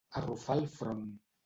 Arrufar el front.